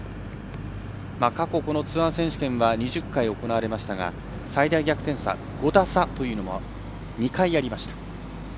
過去ツアー選手権は２０回行われましたが最大逆転差５打差というのも２回ありました。